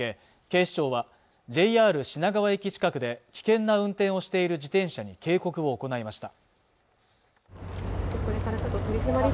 警視庁はＪＲ品川駅近くで危険な運転をしている自転車に警告を行いました